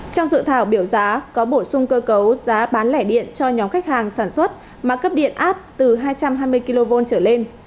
trong dự thảo biểu giá có bổ sung cơ cấu giá bán lẻ điện cho nhóm khách hàng sản xuất mà cấp điện áp từ hai trăm hai mươi kv trở lên